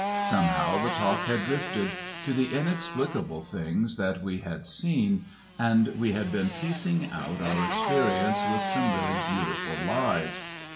Somehow the talk had drifted to the inexplicable things that we had seen, and we had been piecing out our experiences with some really beautiful lies.